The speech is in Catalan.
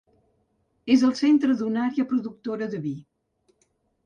És el centre d'una àrea productora de vi.